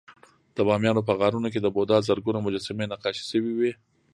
د بامیانو په غارونو کې د بودا زرګونه مجسمې نقاشي شوې وې